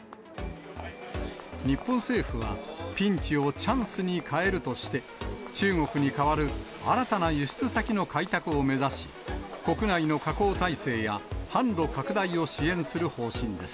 日本政府は、ピンチをチャンスに変えるとして、中国に代わる新たな輸出先の開拓を目指し、国内の加工体制や販路拡大を支援する方針です。